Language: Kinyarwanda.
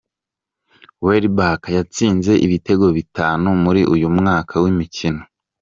Welbeck yatsinze ibitego bitanu muri uyu mwaka w'imikino.